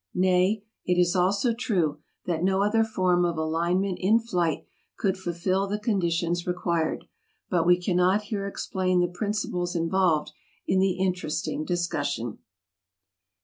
Nay, it is also true that no other form of alignment in flight could fulfill the conditions required; but we cannot here explain the principles involved in the interesting discussion.